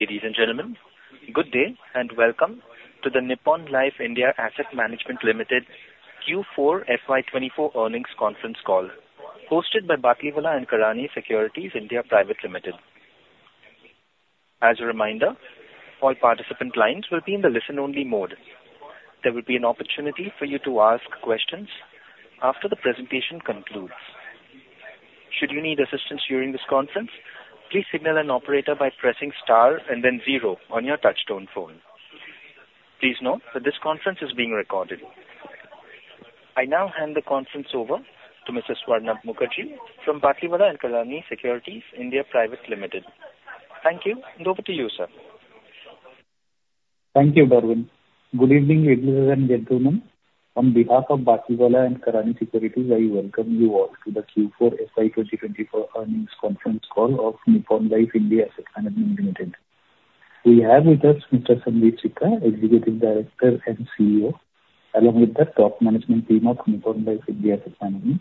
Ladies and gentlemen, good day and welcome to the Nippon Life India Asset Management Limited Q4 FY 2024 Earnings Conference Call, hosted by Batlivala & Karani Securities India Private Limited. As a reminder, all participant lines will be in the listen-only mode. There will be an opportunity for you to ask questions after the presentation concludes. Should you need assistance during this conference, please signal an operator by pressing star and then zero on your touch-tone phone. Please note that this conference is being recorded. I now hand the conference over to Mr. Swarnabha Mukherjee from Batlivala & Karani Securities India Private Limited. Thank you, and over to you, sir. Thank you, Darwin. Goodbevening ladies and gentlemen. On behalf of Batlivala & Karani Securities, I welcome you all to the Q4 FY 2024 Earnings Conference Call of Nippon Life India Asset Management Limited. We have with us Mr. Sundeep Sikka, Executive Director and CEO, along with the top management team of Nippon Life India Asset Management.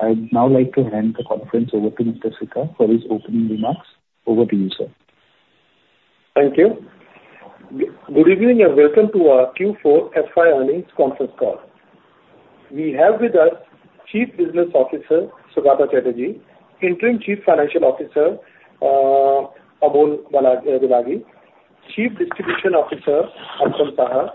I'd now like to hand the conference over to Mr. Sikka for his opening remarks. Over to you, sir. Thank you. Good evening and welcome to our Q4 FY Earnings Conference Call. We have with us Chief Business Officer Saugata Chatterjee, Interim Chief Financial Officer Amol Bilagi, Chief Distribution Officer Arpan Saha,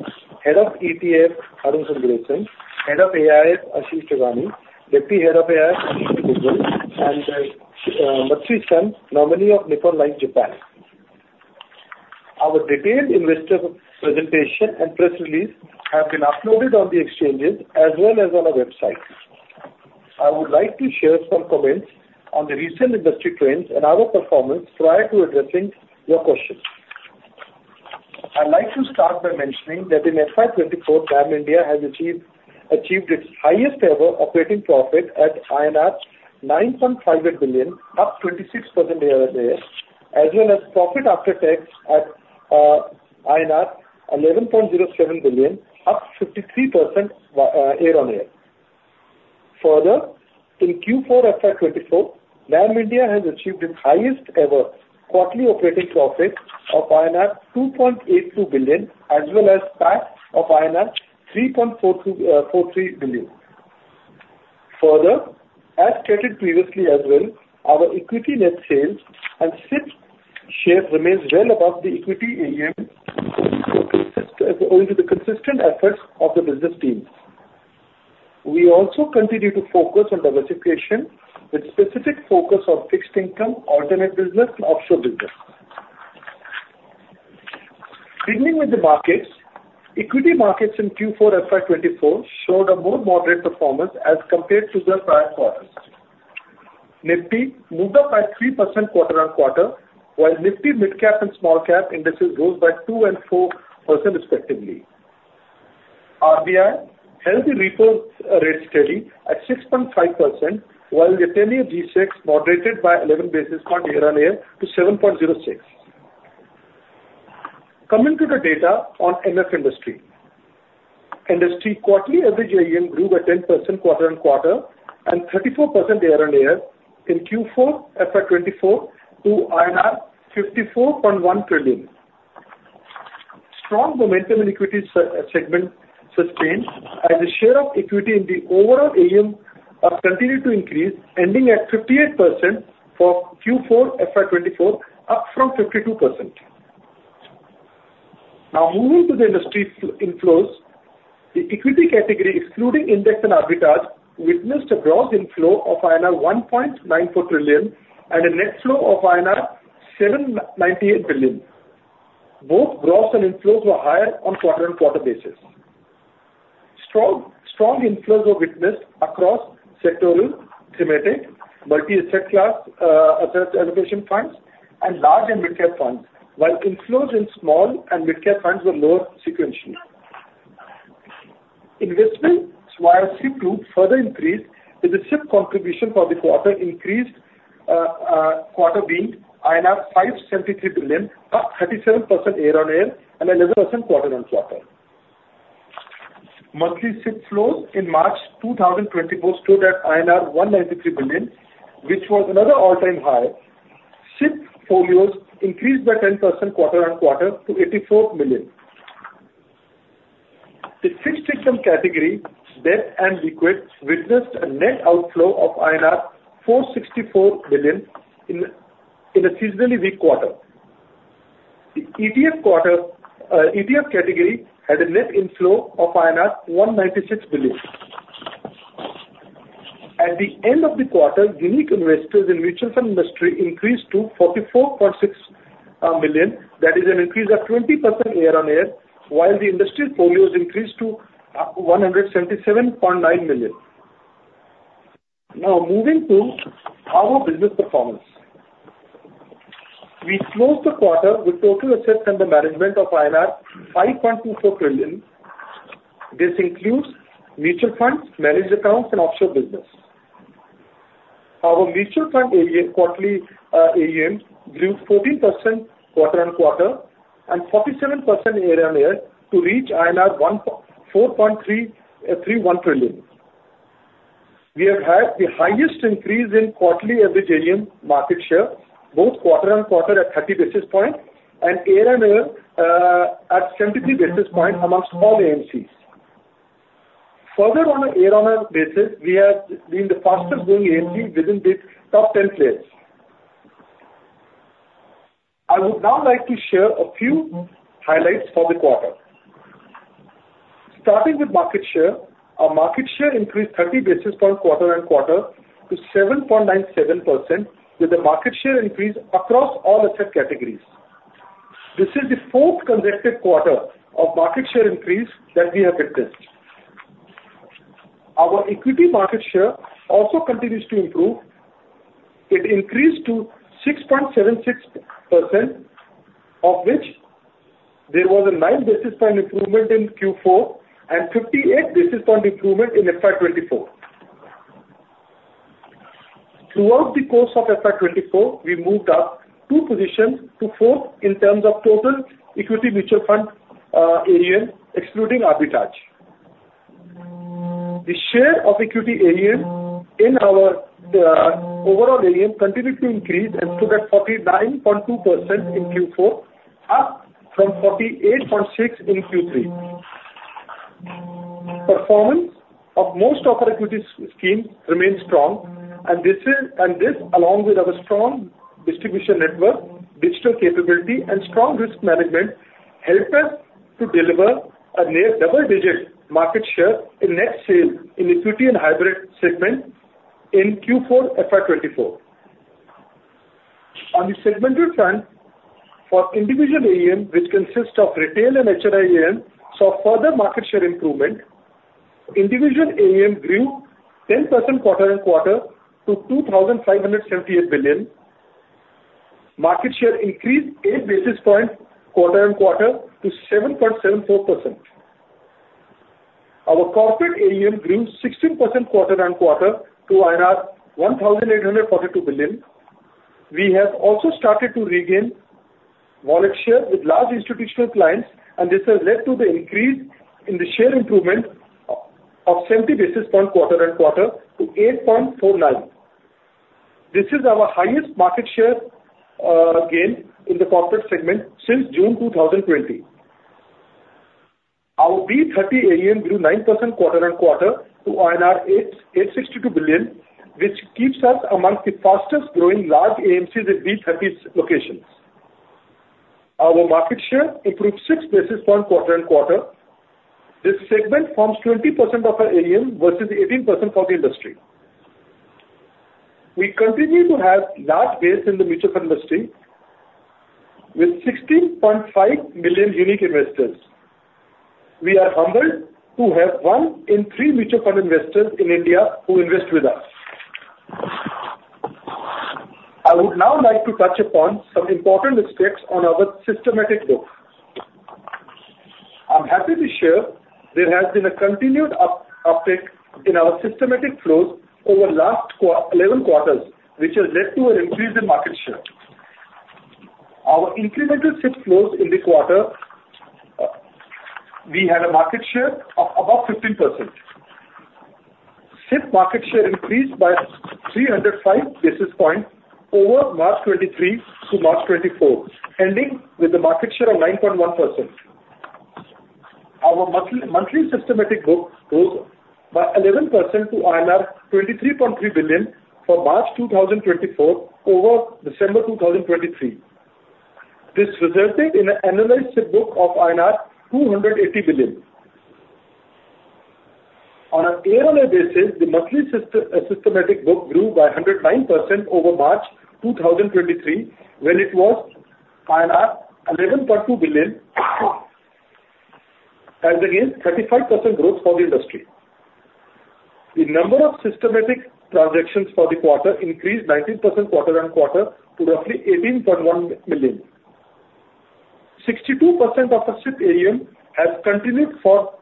Head of ETF Arun Sundaresan, Head of AIF Ashwin Duggal, Deputy Head of AIF Ashwin Duggal, and Matsui-san, Nominee of Nippon Life Japan. Our detailed investor presentation and press release have been uploaded on the exchanges as well as on our website. I would like to share some comments on the recent industry trends and our performance prior to addressing your questions. I'd like to start by mentioning that in FY 2024, NAM India has achieved its highest-ever operating profit at INR 9.58 billion, up 26% year-on-year, as well as profit after tax at INR 11.07 billion, up 53% year-on-year. Further, in Q4 FY 2024, NAM India has achieved its highest-ever quarterly operating profit of INR 2.82 billion, as well as PAT of INR 3.43 billion. Further, as stated previously as well, our equity net sales and SIP share remain well above the equity AUM owing to the consistent efforts of the business team. We also continue to focus on diversification with specific focus on fixed income, alternative business, and offshore business. Beginning with the markets, equity markets in Q4 FY 2024 showed a more moderate performance as compared to their prior quarters. Nifty moved up by 3% quarter-on-quarter, while Nifty mid-cap and small-cap indices rose by 2% and 4%, respectively. RBI held the repo rate steady at 6.5%, while the 10-year G-Sec moderated by 11 basis points year-on-year to 7.06%. Coming to the data on MF industry, industry quarterly average AUM grew by 10% quarter-on-quarter and 34% year-on-year in Q4 FY24 to INR 54.1 trillion. Strong momentum in equity segment sustained, as the share of equity in the overall AUM continued to increase, ending at 58% for Q4 FY 2024, up from 52%. Now, moving to the industry inflows, the equity category, excluding index and arbitrage, witnessed a gross inflow of 1.94 trillion and a net flow of 798 billion. Both gross and inflows were higher on quarter-on-quarter basis. Strong inflows were witnessed across sectoral, thematic, multi-asset class asset allocation funds, and large and mid-cap funds, while inflows in small and mid-cap funds were lower sequentially. Investment-wise SIP group further increased with the SIP contribution for the quarter increased, quarter being 573 billion, up 37% year-on-year and 11% quarter-on-quarter. Monthly SIP flows in March 2024 stood at INR 193 billion, which was another all-time high. SIP folios increased by 10% quarter-on-quarter to 84 million. The fixed income category, debt and liquid, witnessed a net outflow of INR 464 billion in a seasonally weak quarter. The ETF category had a net inflow of INR 196 billion. At the end of the quarter, unique investors in mutual fund industry increased to 44.6 million. That is an increase of 20% year-on-year, while the industry folios increased to 177.9 million. Now, moving to our business performance. We closed the quarter with total assets under management of INR 5.24 trillion. This includes mutual funds, managed accounts, and offshore business. Our mutual fund quarterly AUM grew 14% quarter-on-quarter and 47% year-on-year to reach INR 4.31 trillion. We have had the highest increase in quarterly average AUM market share, both quarter-on-quarter at 30 basis points and year-on-year at 73 basis points amongst all AMCs. Further, on a year-on-year basis, we have been the fastest-growing AMC within the top 10 players. I would now like to share a few highlights for the quarter. Starting with market share, our market share increased 30 basis points quarter-on-quarter to 7.97%, with the market share increase across all asset categories. This is the fourth consecutive quarter of market share increase that we have witnessed. Our equity market share also continues to improve. It increased to 6.76%, of which there was a nine basis point improvement in Q4 and 58 basis point improvement in FY 2024. Throughout the course of FY 2024, we moved up two positions to fourth in terms of total equity mutual fund AUM, excluding arbitrage. The share of equity AUM in our overall AUM continued to increase and stood at 49.2% in Q4, up from 48.6% in Q3. Performance of most of our equity schemes remains strong, and this, along with our strong distribution network, digital capability, and strong risk management, helped us to deliver a near double-digit market share in net sales in equity and hybrid segments in Q4 FY 2024. On the segmented front for individual AUM, which consists of retail and HNI AUM, saw further market share improvement. Individual AUM grew 10% quarter-on-quarter to INR 2,578 billion. Market share increased eight basis points quarter-on-quarter to 7.74%. Our corporate AUM grew 16% quarter-on-quarter to 1,842 billion. We have also started to regain wallet share with large institutional clients, and this has led to the increase in the share improvement of 70 basis points quarter-on-quarter to 8.49%. This is our highest market share gain in the corporate segment since June 2020. Our B30 AUM grew 9% quarter-over-quarter to INR 862 billion, which keeps us amongst the fastest-growing large AMCs in B30 locations. Our market share improved six basis points quarter-over-quarter. This segment forms 20% of our AUM versus 18% for the industry. We continue to have large base in the mutual fund industry with 16.5 million unique investors. We are humbled to have one in three mutual fund investors in India who invest with us. I would now like to touch upon some important aspects on our systematic book. I'm happy to share there has been a continued uptick in our systematic flows over the last 11 quarters, which has led to an increase in market share. Our incremental SIP flows in the quarter, we had a market share of above 15%. SIP market share increased by 305 basis points over March 2023-March 2024, ending with a market share of 9.1%. Our monthly systematic book rose by 11% to 23.3 billion for March 2024 over December 2023. This resulted in an annualized SIP book of INR 280 billion. On a year-on-year basis, the monthly systematic book grew by 109% over March 2023, when it was 11.2 billion, as against 35% growth for the industry. The number of systematic transactions for the quarter increased 19% quarter-on-quarter to roughly 18.1 million. 62% of the SIP AUM has continued for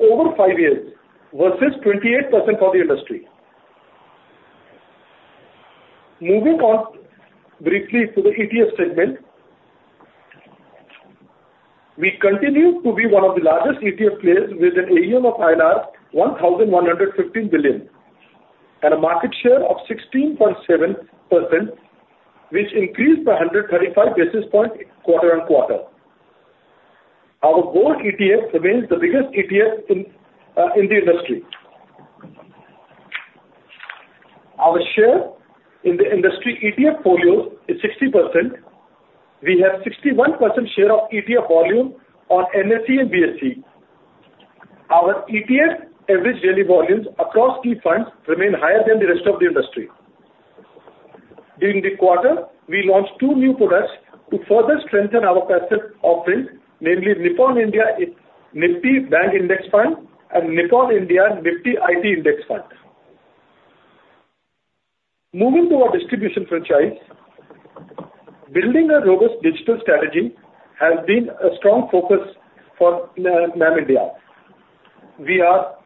over five years versus 28% for the industry. Moving on briefly to the ETF segment, we continue to be one of the largest ETF players with an AUM of INR 1.115 trillion and a market share of 16.7%, which increased by 135 basis points quarter-on-quarter. Our gold ETF remains the biggest ETF in the industry. Our share in the industry ETF folios is 60%. We have 61% share of ETF volume on NSE and BSE. Our ETF average daily volumes across key funds remain higher than the rest of the industry. During the quarter, we launched two new products to further strengthen our passive offerings, namely Nippon India Nifty Bank Index Fund and Nippon India Nifty IT Index Fund. Moving to our distribution franchise, building a robust digital strategy has been a strong focus for NAM India. We are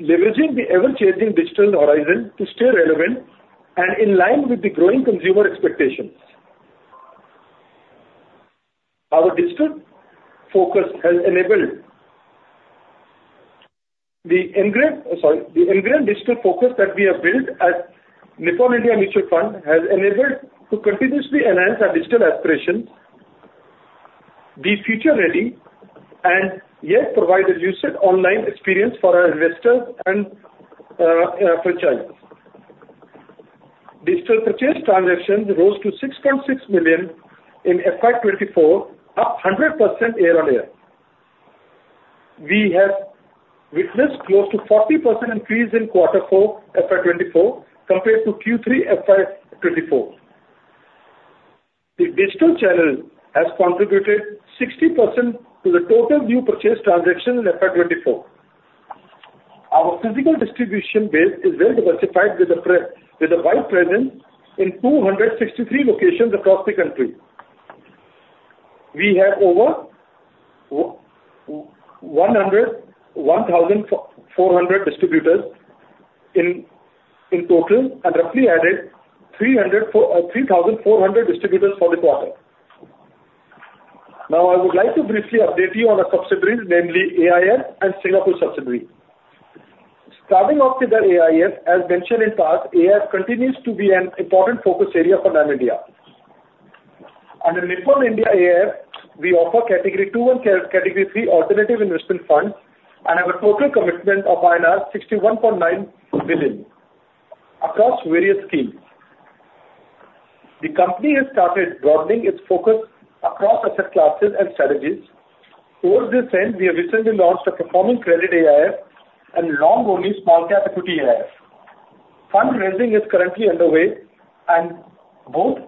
leveraging the ever-changing digital horizon to stay relevant and in line with the growing consumer expectations. Our digital focus has enabled the ingrained digital focus that we have built as Nippon India Mutual Fund has enabled to continuously enhance our digital aspirations, be future-ready, and yet provide a lucid online experience for our investors and franchises. Digital purchase transactions rose to 6.6 million in FY 2024, up 100% year-on-year. We have witnessed close to 40% increase in quarter four FY 2024 compared to Q3 FY 2024. The digital channel has contributed 60% to the total new purchase transactions in FY 2024. Our physical distribution base is well diversified with a wide presence in 263 locations across the country. We have over 1,400 distributors in total and roughly added 3,400 distributors for the quarter. Now, I would like to briefly update you on our subsidiaries, namely AIF and Singapore Subsidiary. Starting off with the AIF, as mentioned in past, AIF continues to be an important focus area for NAM India. Under Nippon India AIF, we offer category two and category three alternative investment funds and have a total commitment of INR 61.9 billion across various schemes. The company has started broadening its focus across asset classes and strategies. Towards this end, we have recently launched a performing credit AIF and long-only small-cap equity AIF. Fund raising is currently underway, and both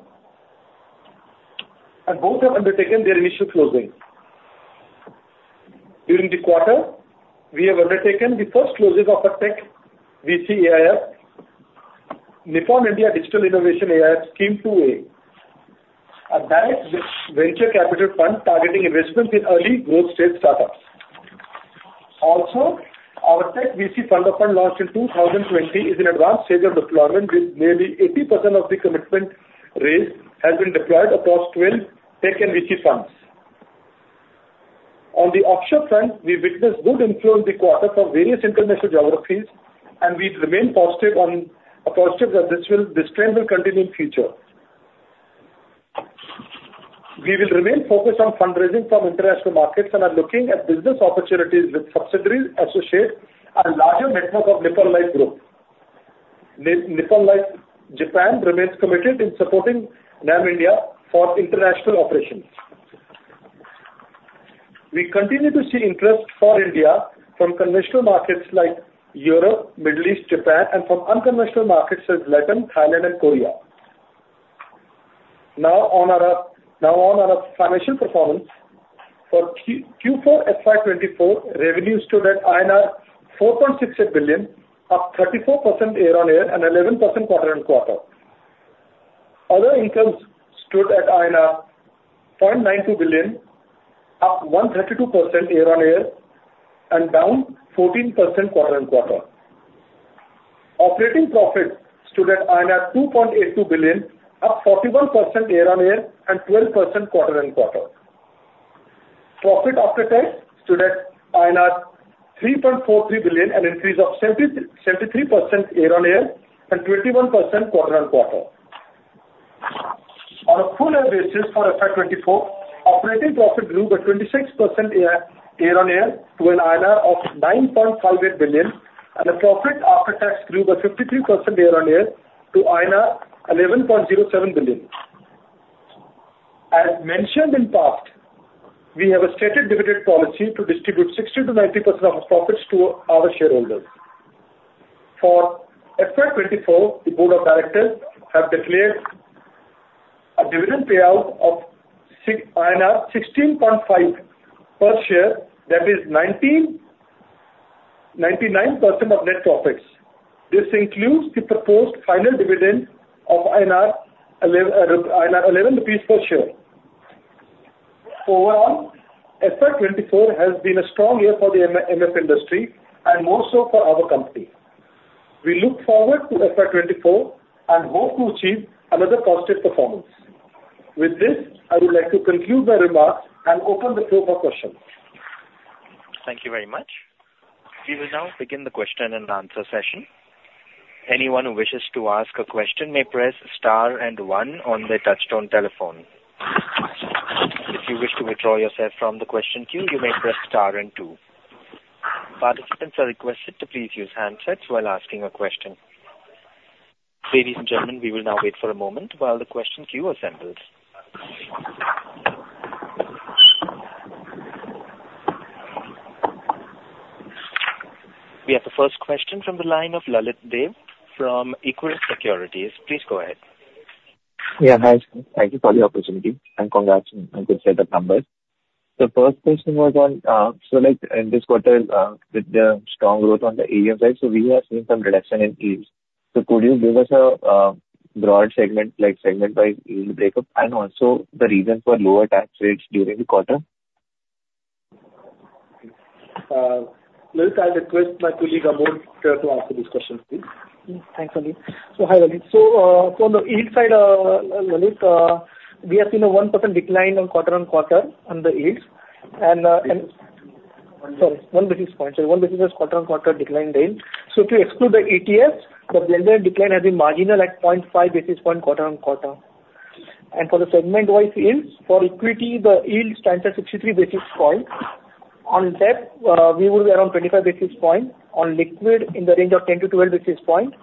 have undertaken their initial closing. During the quarter, we have undertaken the first closing of our tech VC AIF, Nippon India Digital Innovation AIF Scheme 2A, a direct venture capital fund targeting investments in early growth-stage startups. Also, our tech VC fund launched in 2020 is in an advanced stage of deployment, with nearly 80% of the commitment raised has been deployed across 12 tech and VC funds. On the offshore front, we witnessed good inflow in the quarter from various international geographies, and we remain positive that this trend will continue in the future. We will remain focused on fundraising from international markets and are looking at business opportunities with subsidiaries associated and a larger network of Nippon Life Group. Nippon Life Japan remains committed in supporting NAM India for international operations. We continue to see interest for India from conventional markets like Europe, Middle East, Japan, and from unconventional markets as LatAm, Thailand, and Korea. Now, on our financial performance, for Q4 FY 2024, revenue stood at INR 4.68 billion, up 34% year-over-year and 11% quarter-over-quarter. Other incomes stood at 0.92 billion, up 132% year-over-year and down 14% quarter-over-quarter. Operating profit stood at 2.82 billion, up 41% year-over-year and 12% quarter-over-quarter. Profit after tax stood at INR 3.43 billion, an increase of 73% year-over-year and 21% quarter-over-quarter. On a full-year basis for FY 2024, operating profit grew by 26% year-over-year to an INR of 9.58 billion, and the profit after tax grew by 53% year-over-year to 11.07 billion. As mentioned in past, we have a stated dividend policy to distribute 60%-90% of profits to our shareholders. For FY 2024, the Board of Directors have declared a dividend payout of INR 16.5 per share, that is 99% of net profits. This includes the proposed final dividend of INR 11 per share. Overall, FY 2024 has been a strong year for the MF industry and more so for our company. We look forward to FY 2024 and hope to achieve another positive performance. With this, I would like to conclude my remarks and open the floor for questions. Thank you very much. We will now begin the question and answer session. Anyone who wishes to ask a question may press star and one on their touch-tone telephone. If you wish to withdraw yourself from the question queue, you may press star and two. Participants are requested to please use handsets while asking a question. Ladies and gentlemen, we will now wait for a moment while the question queue assembles. We have the first question from the line of Lalit Deo from Equirus Securities. Please go ahead. Yeah, hi. Thank you for the opportunity, and congrats on a good set of numbers. The first question was on so in this quarter, with the strong growth on the AUM side, so we have seen some reduction in yields. So could you give us a broad segment, like segment-wise yield breakup, and also the reason for lower tax rates during the quarter? Lalit, I'll request my colleague Amol to answer this question, please. Thanks, Lalit. So hi, Lalit. So on the yield side, Lalit, we have seen a 1% decline on quarter-on-quarter on the yields. And sorry, one basis point. Sorry, 1 basis point on quarter-on-quarter declined yield. So to exclude the ETF, the blended decline has been marginal at 0.5 basis point quarter-on-quarter. And for the segment-wise yields, for equity, the yield stands at 63 basis points. On debt, we would be around 25 basis points. On liquid, in the range of 10-12 basis points.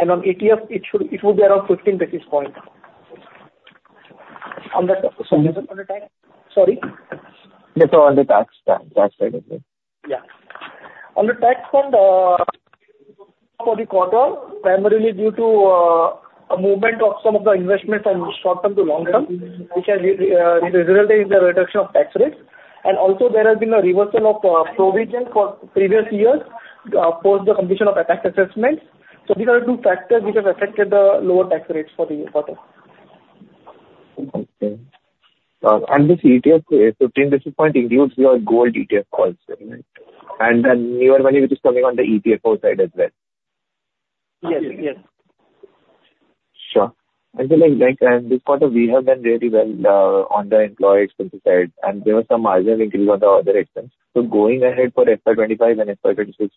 And on ETF, it would be around 15 basis points. On that? So just on the tax Sorry? Just on the tax side, okay. Yeah. On the tax fund, for the quarter, primarily due to a movement of some of the investments from short-term to long-term, which has resulted in the reduction of tax rates. And also, there has been a reversal of provision for previous years post the completion of tax assessments. So these are the two factors which have affected the lower tax rates for the quarter. Okay. And this ETF, 15 basis point, includes your gold ETF also, right? And then newer money which is coming on the ETF side as well? Yes, yes. Sure. And this quarter, we have done really well on the employee expenses side, and there was some margin increase on the other expenses. So going ahead for FY 2025 and FY 2026,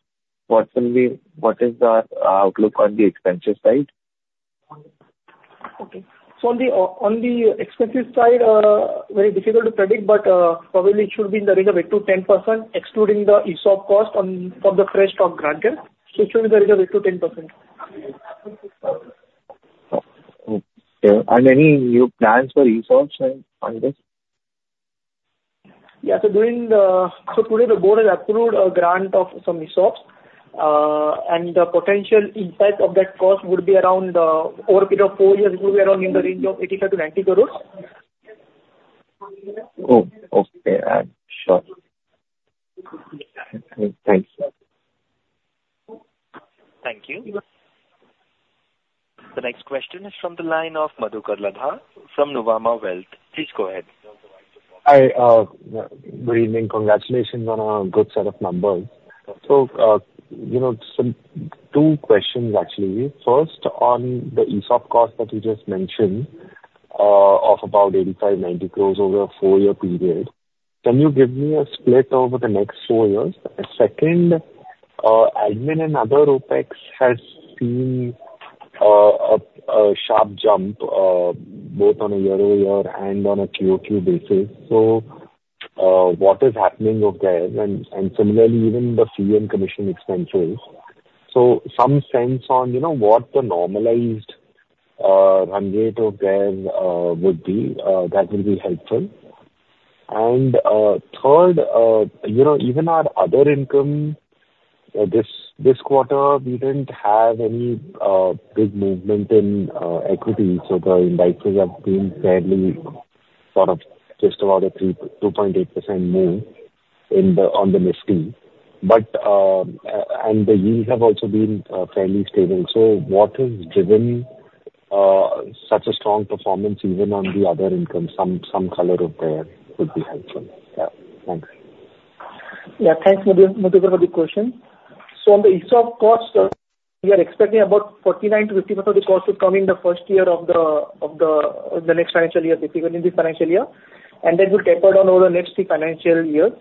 what is our outlook on the expenses side? Okay. So on the expenses side, very difficult to predict, but probably it should be in the range of 8%-10%, excluding the ESOP cost for the fresh stock grant. Okay. So it should be in the range of 8%-10%. Okay. And any new plans for ESOPs on this? Yeah. So today, the board has approved a grant of some ESOPs, and the potential impact of that cost would be around over a period of four years, it would be around in the range of 85 crore-90 crore. Oh, okay. Sure. Thanks. Thank you. The next question is from the line of Madhukar Ladha from Nuvama Wealth. Please go ahead. Hi. Good evening. Congratulations on a good set of numbers. So two questions, actually. First, on the ESOP cost that you just mentioned of about 85 crore-90 crore over a four-year period, can you give me a split over the next four years? Second, admin and other OpEx has seen a sharp jump both on a year-over-year and on a quarter-over-quarter basis. So what is happening over there? And similarly, even the fee and commission expenses. So some sense on what the normalized run rate over there would be, that would be helpful. And third, even our other income, this quarter, we didn't have any big movement in equity. So the indices have been fairly sort of just about a 2.8% move on the Nifty. And the yields have also been fairly stable. So what has driven such a strong performance even on the other income? Some color over there would be helpful. Yeah. Thanks. Yeah. Thanks, Madhukar, for the question. So on the ESOP cost, we are expecting about 49%-50% of the cost is coming the first year of the next financial year, basically, in this financial year. And that will taper down over the next three financial years.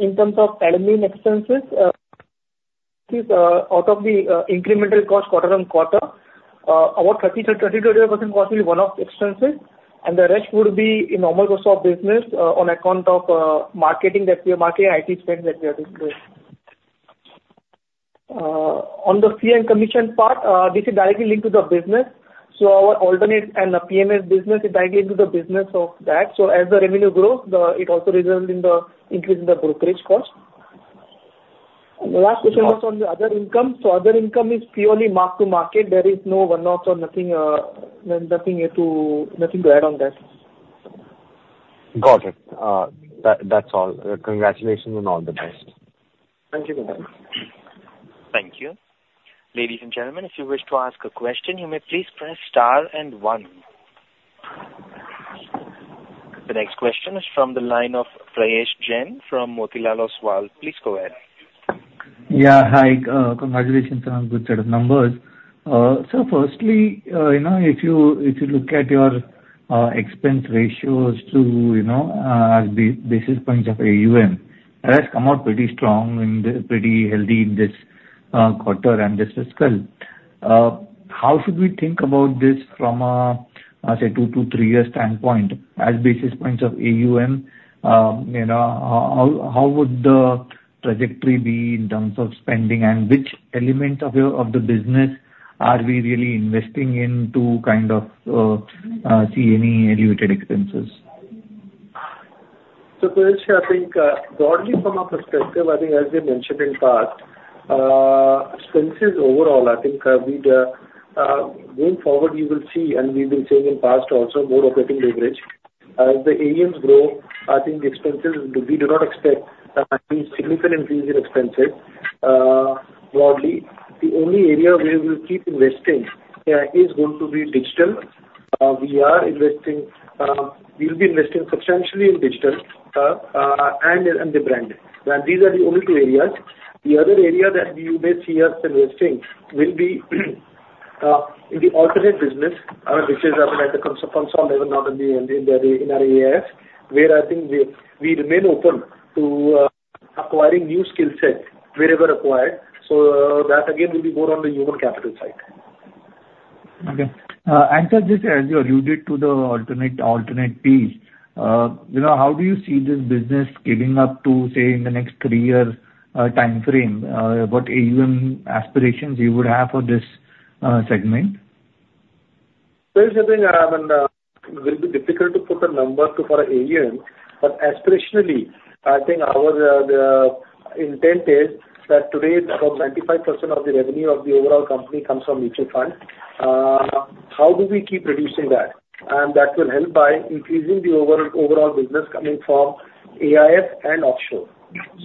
In terms of admin expenses, out of the incremental cost quarter-over-quarter, about 30%-35% cost will be one of the expenses. And the rest would be in normal cost of business on account of marketing that we are marketing, IT spend that we are doing. On the fee and commission part, this is directly linked to the business. So our alternative and PMS business is directly linked to the business of that. So as the revenue grows, it also results in the increase in the brokerage cost. And the last question was on the other income. So other income is purely mark-to-market. There is no one-offs or nothing here to add on that. Got it. That's all. Congratulations and all the best. Thank you, Madhukar. Thank you. Ladies and gentlemen, if you wish to ask a question, you may please press star and one. The next question is from the line of Prayesh Jain from Motilal Oswal. Please go ahead. Yeah. Hi. Congratulations on good set of numbers. So firstly, if you look at your expense ratios as basis points of AUM, that has come out pretty strong and pretty healthy in this quarter and this fiscal. How should we think about this from a, say a two to three year standpoint as basis points of AUM? How would the trajectory be in terms of spending, and which elements of the business are we really investing in to kind of see any elevated expenses? So Prayesh, I think broadly from our perspective, I think as we mentioned in past, expenses overall, I think going forward, you will see, and we've been seeing in past also, more operating leverage. As the AUMs grow, I think expenses we do not expect any significant increase in expenses broadly. The only area where we'll keep investing is going to be digital. We'll be investing substantially in digital and the brand. And these are the only two areas. The other area that you may see us investing will be in the alternative business, which is at the consol level, not in our AIF, where I think we remain open to acquiring new skill sets wherever required. So that, again, will be more on the human capital side. Okay. And just as you alluded to the alternative piece. How do you see this business panning out to, say, in the next three-year time frame, what AUM aspirations you would have for this segment? Prayesh, I think it will be difficult to put a number for AUM, but aspirationally, I think our intent is that today, about 95% of the revenue of the overall company comes from mutual funds. How do we keep reducing that? And that will help by increasing the overall business coming from AIF and offshore.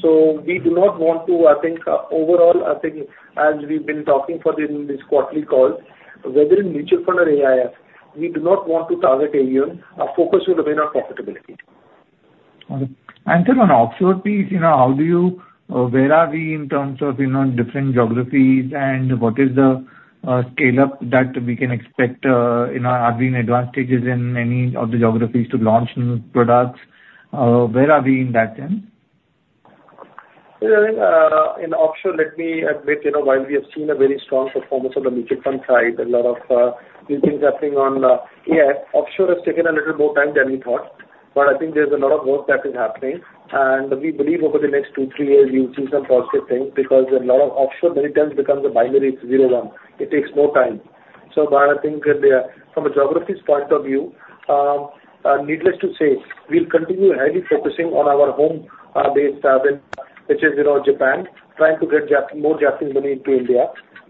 So we do not want to, I think overall, I think as we've been talking in these quarterly calls, whether in mutual fund or AIF, we do not want to target AUM. Our focus will remain on profitability. Okay. Answer on the offshore piece, where are we in terms of different geographies, and what is the scale-up that we can expect? Are there any advantages in any of the geographies to launch new products? Where are we in that sense? I think in offshore, let me admit, while we have seen a very strong performance on the mutual fund side, a lot of new things happening on AIF, offshore has taken a little more time than we thought. But I think there's a lot of work that is happening. We believe over the next two, three years, we'll see some positive things because a lot of offshore, many times, becomes a binary. It's 0-1. It takes more time. But I think from a geography's point of view, needless to say, we'll continue heavily focusing on our home-based target, which is Japan, trying to get more Japanese money into India.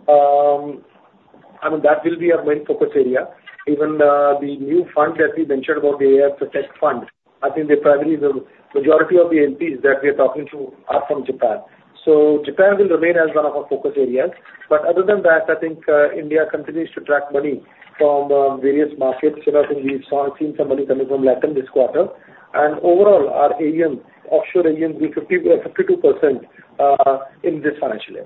I mean, that will be our main focus area. Even the new fund that we mentioned about the AIF Protect Fund, I think the majority of the LPs that we are talking to are from Japan. So Japan will remain as one of our focus areas. But other than that, I think India continues to track money from various markets. I think we've seen some money coming from LatAm this quarter. And overall, our offshore AUM grew 52% in this financial year.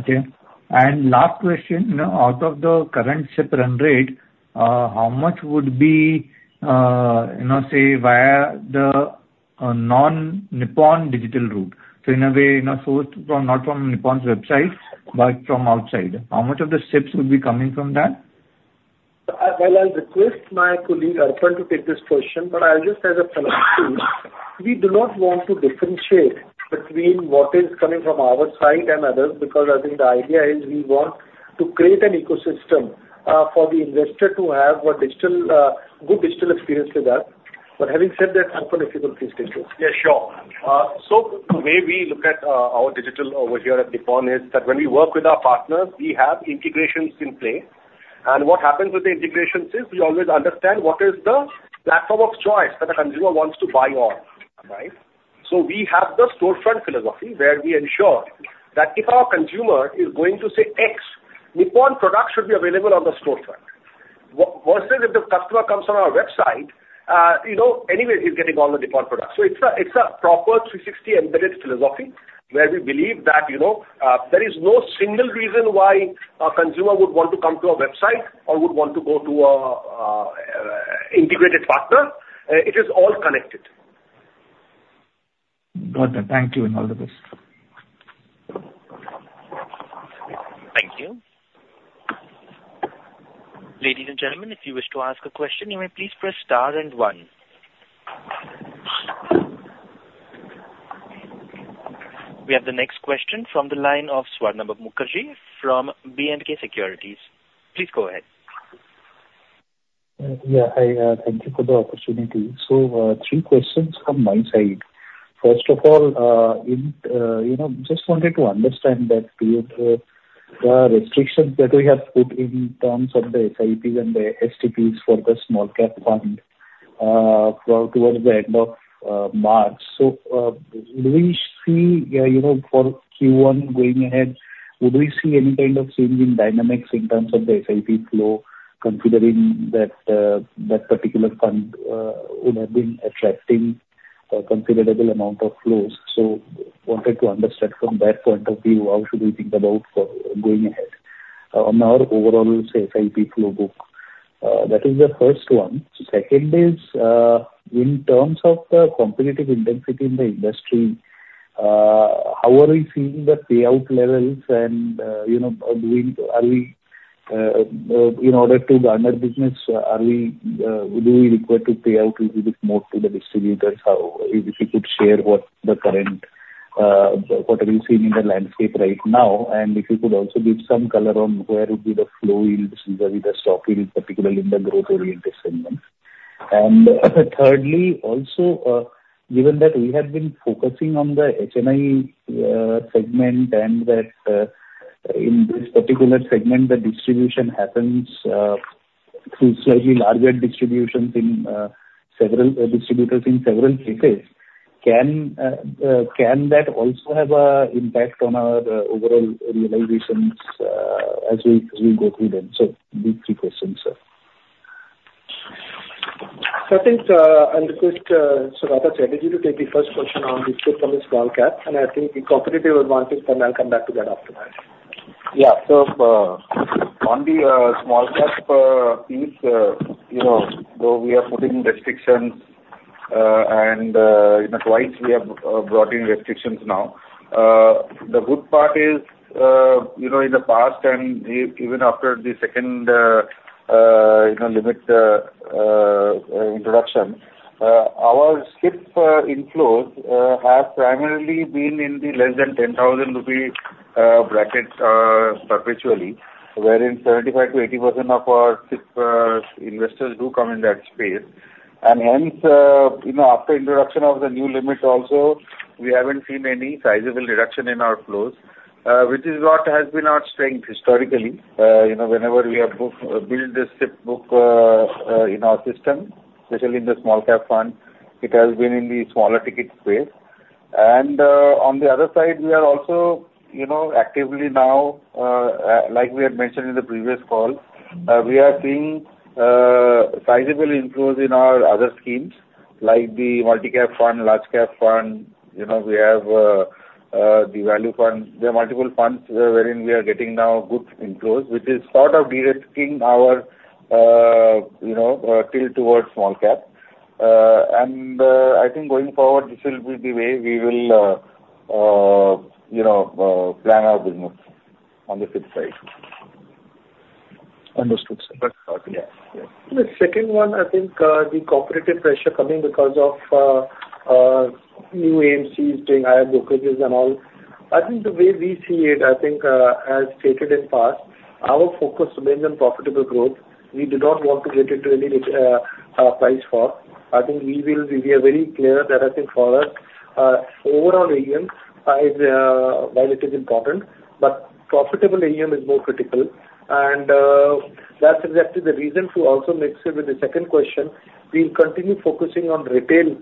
Okay. And last question, out of the current SIP run rate, how much would be, say, via the non-Nippon digital route? So in a way, not from Nippon's website, but from outside, how much of the SIPs would be coming from that? Well, I'll request my colleague Arpan to take this question, but I'll just as a follow-up. We do not want to differentiate between what is coming from our side and others because I think the idea is we want to create an ecosystem for the investor to have a good digital experience with that. But having said that, Arpan, if you could please take this. Yeah, sure. So the way we look at our digital over here at Nippon is that when we work with our partners, we have integrations in play. And what happens with the integrations is we always understand what is the platform of choice that a consumer wants to buy on, right? So we have the storefront philosophy where we ensure that if our consumer is going to say, "X, Nippon products should be available on the storefront," versus if the customer comes on our website, anyway, he's getting all the Nippon products. So it's a proper 360 embedded philosophy where we believe that there is no single reason why a consumer would want to come to our website or would want to go to an integrated partner. It is all connected. Got it. Thank you and all the best. Thank you. Ladies and gentlemen, if you wish to ask a question, you may please press star and one. We have the next question from the line of Swarnabha Mukherjee from B&K Securities. Please go ahead. Yeah. Hi. Thank you for the opportunity. So three questions from my side. First of all, just wanted to understand that the restrictions that we have put in terms of the SIPs and the STPs for the small-cap fund towards the end of March. So would we see for Q1 going ahead, would we see any kind of change in dynamics in terms of the SIP flow considering that particular fund would have been attracting a considerable amount of flows? So wanted to understand from that point of view, how should we think about going ahead on our overall, say, SIP flow book? That is the first one. Second is, in terms of the competitive intensity in the industry, how are we seeing the payout levels? And are we, in order to garner business, do we require to pay out a little bit more to the distributors? If you could share what are we seeing in the landscape right now? And if you could also give some color on where would be the flow yields vis-à-vis the stock yields, particularly in the growth-oriented segments. And thirdly, also, given that we have been focusing on the HNI segment and that in this particular segment, the distribution happens through slightly larger distributors in several places, can that also have an impact on our overall realizations as we go through them? So these three questions, sir. So I think I'll request Saugata Chatterjee to take the first question on the split from the small-cap. And I think the competitive advantage, then I'll come back to that after that. Yeah. So on the small-cap piece, though we are putting restrictions and twice we have brought in restrictions now, the good part is in the past and even after the second limit introduction, our SIP inflows have primarily been in the less than 10,000 rupee bracket perpetually, wherein 75%-80% of our SIP investors do come in that space. And hence, after introduction of the new limit also, we haven't seen any sizable reduction in our flows, which is what has been our strength historically. Whenever we have built the SIP book in our system, especially in the small-cap fund, it has been in the smaller ticket space. And on the other side, we are also actively now, like we had mentioned in the previous call, we are seeing sizable inflows in our other schemes like the multi-cap fund, large-cap fund. We have the value fund. There are multiple funds wherein we are getting now good inflows, which is sort of directing our tilt towards small-cap. And I think going forward, this will be the way we will plan our business on the SIP side. Understood, sir. Yeah. The second one, I think the competitive pressure coming because of new AMCs doing higher brokerages and all, I think the way we see it, I think as stated in past, our focus remains on profitable growth. We do not want to get into any price war. I think we are very clear that, I think, for us, overall AUM is while it is important, but profitable AUM is more critical. And that's exactly the reason to also mix it with the second question. We'll continue focusing on retail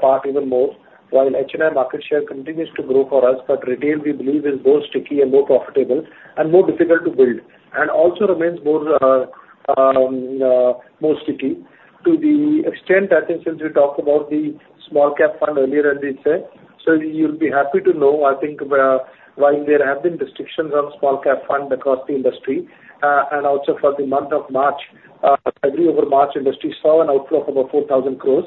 part even more while HNI market share continues to grow for us. But retail, we believe, is more sticky and more profitable and more difficult to build and also remains more sticky to the extent, I think, since we talked about the small-cap fund earlier and we said. So you'll be happy to know, I think, while there have been restrictions on small-cap fund across the industry and also for the month of March, February over March, industry saw an outflow of about 4,000 crore.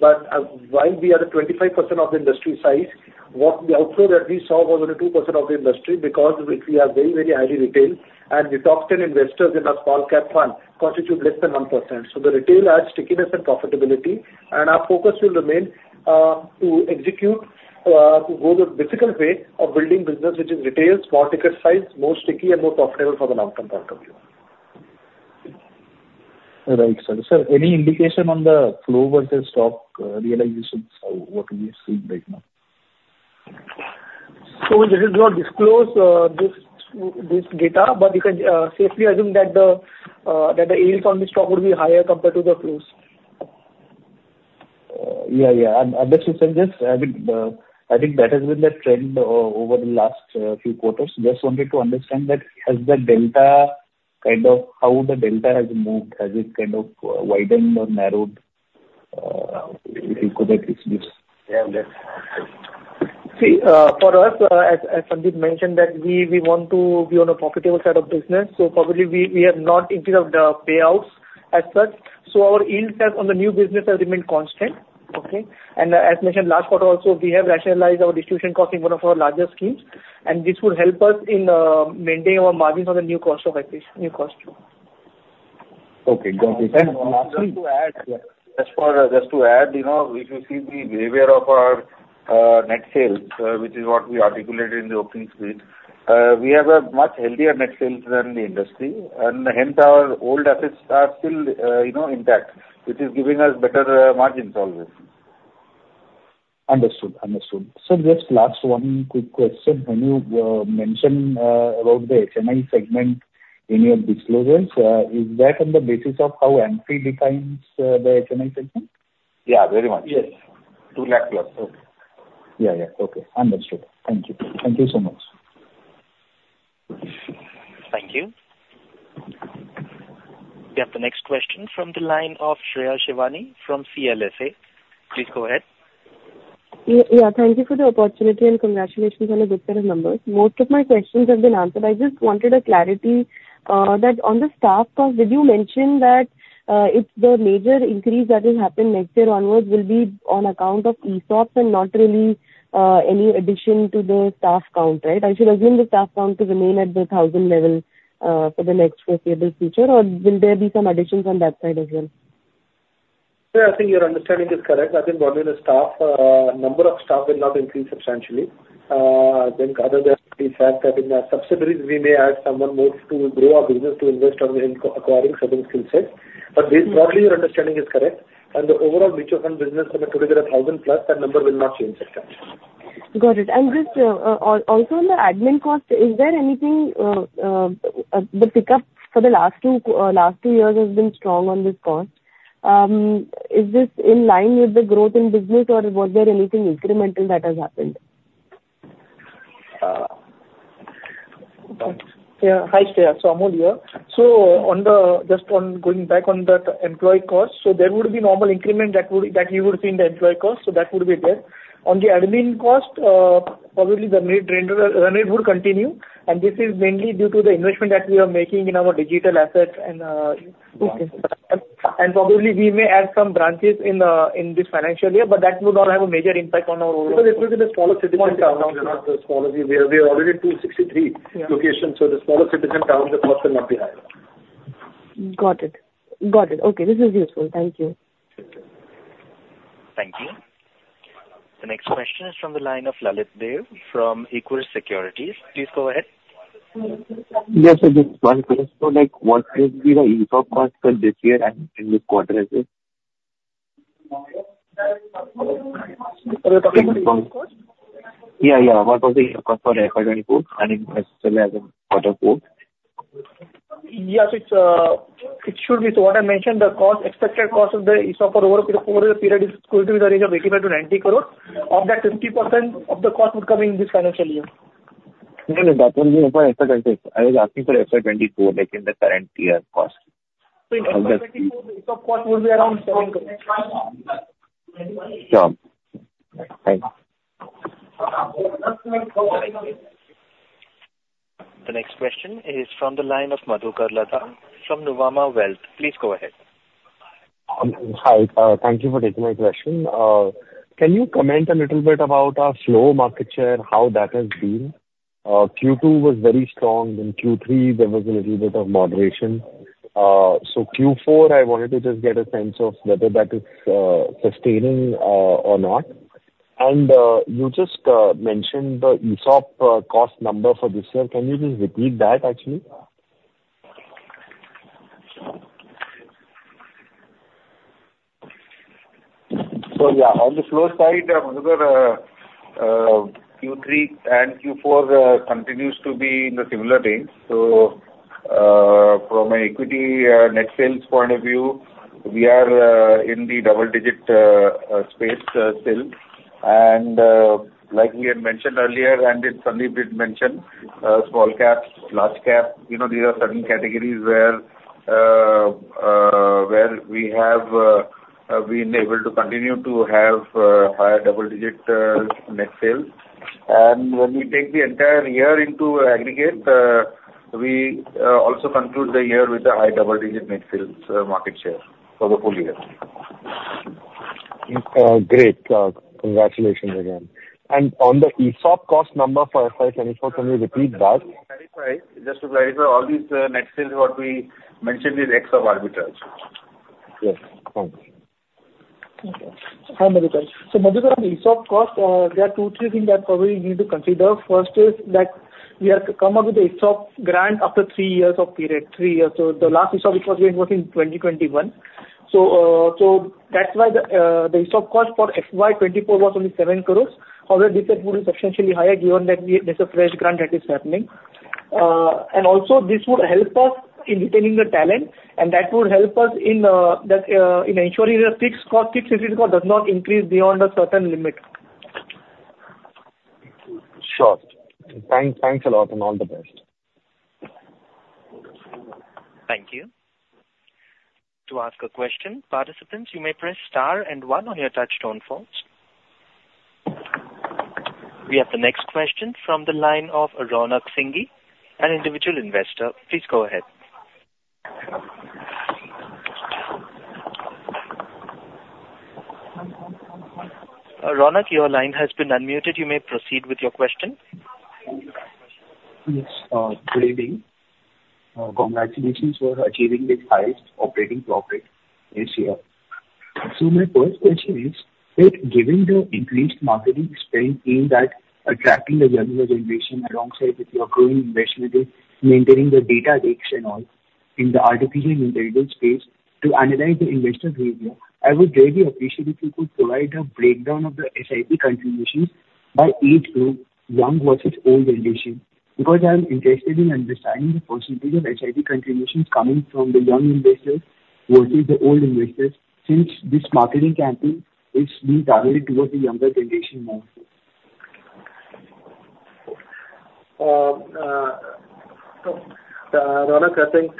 But while we are the 25% of the industry size, the outflow that we saw was only 2% of the industry because we have very, very highly retailed. And the top 10 investors in our small-cap fund constitute less than 1%. So the retail adds stickiness and profitability. And our focus will remain to execute, to go the difficult way of building business, which is retail, small-ticket size, more sticky and more profitable from a long-term point of view. Right, sir. Sir, any indication on the flow versus stock realizations, what we are seeing right now? So this is not disclosed, this data, but you can safely assume that the yields on the stock would be higher compared to the flows. Yeah, yeah. And I guess you said just I think that has been the trend over the last few quarters. Just wanted to understand that has the delta kind of how the delta has moved? Has it kind of widened or narrowed, if you could explain? Yeah, I'm good. See, for us, as Sundeep mentioned, that we want to be on a profitable side of business. So probably we have not increased the payouts as such. So our yields on the new business have remained constant, okay? And as mentioned, last quarter also, we have rationalized our distribution cost in one of our larger schemes. And this would help us in maintaining our margins on the new cost of SIPs, new cost. Okay. Got it. And lastly. Just to add, yeah. Just to add, if you see the behavior of our net sales, which is what we articulated in the opening speech, we have much healthier net sales than the industry. And hence, our old assets are still intact, which is giving us better margins always. Understood, understood. Sir, just last one quick question. When you mentioned about the HNI segment in your disclosures, is that on the basis of how AMFI defines the HNI segment? Yeah, very much. Yes. 2 lakh+. Yeah, yeah. Okay. Understood. Thank you. Thank you so much. Thank you. We have the next question from the line of Shreya Shivani from CLSA. Please go ahead. Yeah. Thank you for the opportunity and congratulations on a good set of numbers. Most of my questions have been answered. I just wanted a clarity that on the staff cost, did you mention that the major increase that will happen next year onwards will be on account of ESOPs and not really any addition to the staff count, right? I should assume the staff count to remain at the 1,000 level for the next foreseeable future, or will there be some additions on that side as well? Sir, I think your understanding is correct. I think only the staff number of staff will not increase substantially, I think, other than the fact that in our subsidiaries, we may add someone more to grow our business to invest in acquiring certain skill sets. But broadly, your understanding is correct. And the overall mutual fund business, when we put together 1,000+, that number will not change substantially. Got it. And just also on the admin cost, is there anything the pickup for the last two years has been strong on this cost? Is this in line with the growth in business, or was there anything incremental that has happened? Hi, Shreya. So Amol here. So just going back on that employee cost, so there would be normal increment that you would see in the employee cost. So that would be there. On the admin cost, probably the need would continue. And this is mainly due to the investment that we are making in our digital assets. And probably we may add some branches in this financial year, but that would not have a major impact on our overall. So this will be the smaller citizen towns, not the smaller we are already in 263 locations. So the smaller citizen towns, the cost will not be higher. Got it. Got it. Okay. This is useful. Thank you. Thank you. The next question is from the line of Lalit Deo from Equirus Securities. Please go ahead. Yes, sir. Just one question. So what will be the ESOP cost this year and in this quarter as well? Are you talking about the ESOP cost? Yeah, yeah. What was the cost for FY 2024? I think necessarily as a quarter quote. Yeah. So it should be so what I mentioned, the expected cost of the ESOP for over the four-year period is going to be the range of 85 crore-90 crore. Of that, 50% of the cost would come in this financial year. No, no. That will be FY 2024.I was asking for FY 2024, like in the current year cost. So in FY 2024, the ESOP cost would be around INR 7 crore. Sure. Thanks. The next question is from the line of Madhukar Ladha from Nuvama Wealth. Please go ahead. Hi. Thank you for taking my question. Can you comment a little bit about our flow market share, how that has been? Q2 was very strong. In Q3, there was a little bit of moderation. So Q4, I wanted to just get a sense of whether that is sustaining or not. And you just mentioned the ESOP cost number for this year. Can you just repeat that, actually? So yeah, on the flow side, Madhukar, Q3 and Q4 continues to be in the similar range. So from an equity net sales point of view, we are in the double-digit space still. And like we had mentioned earlier and Sundeep did mention, small-cap, large-cap, these are certain categories where we have been able to continue to have higher double-digit net sales. And when we take the entire year into aggregate, we also conclude the year with a high double-digit net sales market share for the full year. Great. Congratulations again. And on the ESOP cost number for FY 2024, can you repeat that? Just to clarify, all these net sales, what we mentioned is ex of arbitrage. Yes. Thanks. Thank you. Hi, Madhukar. So Madhukar, on the ESOP cost, there are two, three things that probably we need to consider. First is that we have come up with the ESOP grant after three years of period, three years. So the last ESOP, it was in 2021. So that's why the ESOP cost for FY 2024 was only 7 crore. However, this would be substantially higher given that there's a fresh grant that is happening. And also, this would help us in retaining the talent. And that would help us in ensuring that fixed cost, fixed entry cost does not increase beyond a certain limit. Sure. Thanks a lot and all the best. Thank you. To ask a question, participants, you may press star and one on your touch-tone phones. We have the next question from the line of Ronak Singhi, an individual investor. Please go ahead. Ronak, your line has been unmuted. You may proceed with your question. Yes. Good evening. Congratulations for achieving the highest operating profit this year. So my first question is, given the increased marketing spend in attracting the younger generation alongside with your growing investment in maintaining the data lakes and all in the artificial intelligence space to analyze the investor behavior, I would greatly appreciate if you could provide a breakdown of the SIP contributions by age group, young versus old generation, because I'm interested in understanding the percentage of SIP contributions coming from the young investors versus the old investors since this marketing campaign is being targeted towards the younger generation more. So Ronak, I think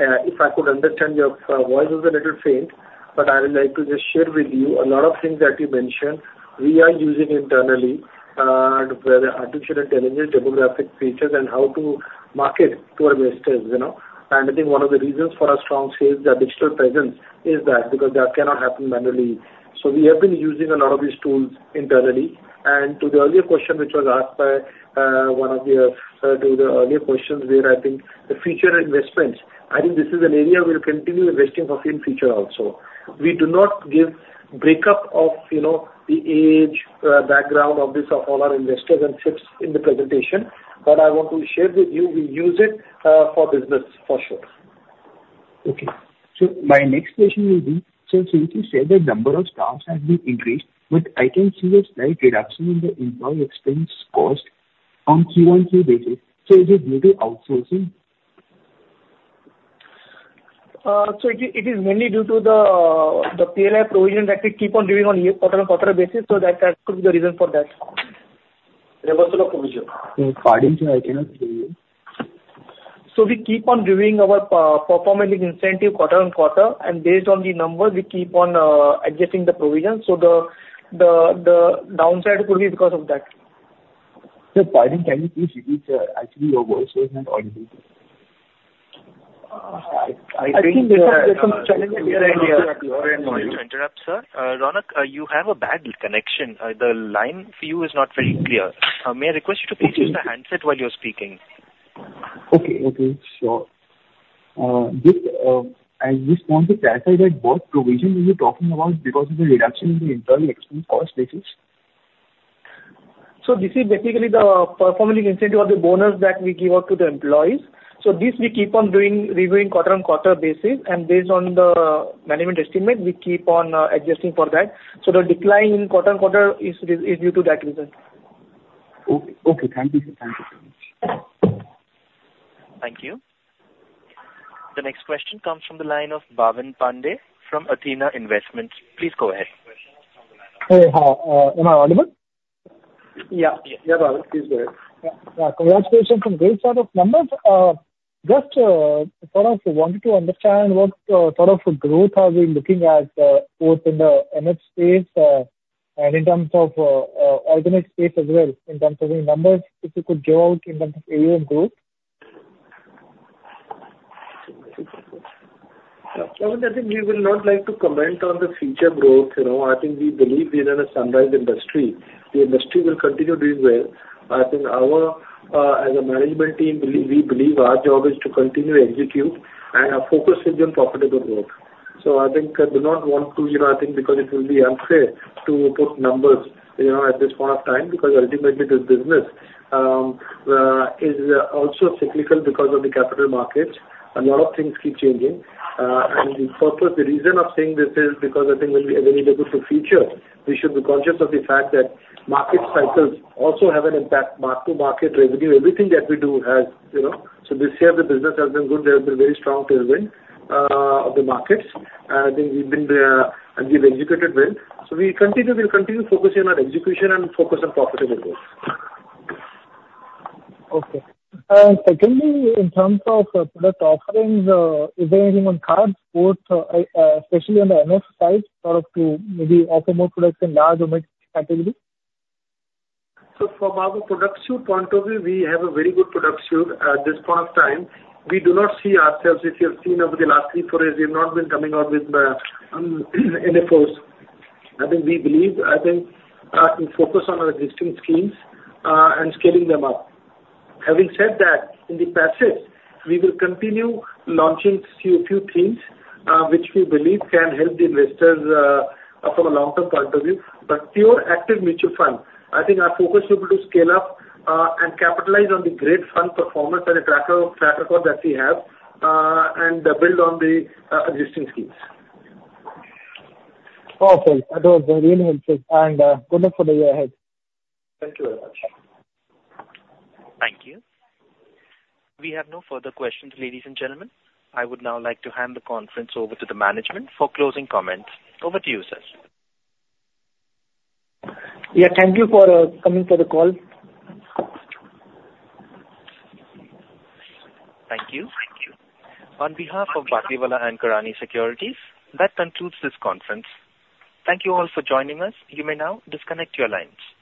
if I could understand your voice was a little faint, but I would like to just share with you a lot of things that you mentioned we are using internally where the artificial intelligence, demographic features, and how to market to our investors. I think one of the reasons for our strong sales is our digital presence is that because that cannot happen manually. So we have been using a lot of these tools internally. And to the earlier question which was asked by one of you to the earlier questions where, I think, the future investments, I think this is an area we'll continue investing for in future also. We do not give breakup of the age background of all our investors and sits in the presentation. But I want to share with you, we use it for business, for sure. Okay. So my next question will be, sir, so you said that number of staffs has been increased, but I can see a slight reduction in the employee expense cost on Q-on-Q basis. So is it due to outsourcing? So it is mainly due to the PLI provision that we keep on doing on quarter-on-quarter basis. So that could be the reason for that. Reversal of provision. Pardon, sir, I cannot hear you. So we keep on doing our performance incentive quarter-on-quarter. And based on the numbers, we keep on adjusting the provisions. So the downside could be because of that. Sir, pardon, can you please repeat, sir, actually, your voice was not audible? I think there's some challenge at your end. Sorry to interrupt, sir. Ronak, you have a bad connection. The line for you is not very clear. May I request you to please use the handset while you're speaking? Okay, okay. Sure. I just want to clarify that what provision are you talking about because of the reduction in the internal expense cost basis? So this is basically the performance incentive of the bonus that we give out to the employees. So this we keep on reviewing quarter-on-quarter basis. And based on the management estimate, we keep on adjusting for that. So the decline in quarter-on-quarter is due to that reason. Okay. Okay. Thank you, sir. Thank you so much. Thank you. The next question comes from the line of Bhavin Pande from Athena Investments. Please go ahead. Hey, hi. Am I audible? Yeah. Yeah, Bhavan. Please go ahead. Yeah. Congratulations on great set of numbers. Just sort of wanted to understand what sort of growth have we been looking at both in the MF space and in terms of organic space as well, in terms of any numbers if you could give out in terms of AUM and growth. I think we will not like to comment on the future growth. I think we believe we're in a sunrise industry. The industry will continue doing well. I think as a management team, we believe our job is to continue execute. Our focus is on profitable growth. So I think I do not want to I think because it will be unfair to put numbers at this point of time because ultimately, this business is also cyclical because of the capital markets. A lot of things keep changing. The reason I'm saying this is because I think when we are going to look to future, we should be conscious of the fact that market cycles also have an impact. Market to market revenue, everything that we do has so this year, the business has been good. There have been very strong tailwinds of the markets. I think we've been and we've executed well. So we will continue focusing on execution and focus on profitable growth. Okay. And secondly, in terms of product offerings, is there anything on the cards, especially on the MF side, sort of to maybe offer more products in large or mid-category? So from our product shelf point of view, we have a very good product shelf at this point of time. We do not see ourselves if you have seen over the last three to four years, we have not been coming out with any funds. I think we believe I think focus on our existing schemes and scaling them up. Having said that, in the past years, we will continue launching a few themes which we believe can help the investors from a long-term point of view. Pure active mutual fund, I think our focus will be to scale up and capitalize on the great fund performance and the track record that we have and build on the existing schemes. Awesome. That was very helpful. Good luck for the year ahead. Thank you very much. Thank you. We have no further questions, ladies and gentlemen. I would now like to hand the conference over to the management for closing comments. Over to you, sir. Yeah. Thank you for coming for the call. Thank you. Thank you. On behalf of Batlivala & Karani Securities, that concludes this conference. Thank you all for joining us. You may now disconnect your lines.